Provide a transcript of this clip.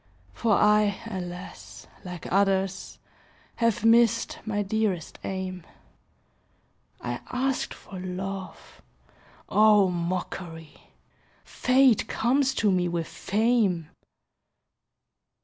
For I, alas! like others, Have missed my dearest aim. I asked for love. Oh, mockery! Fate comes to me with fame!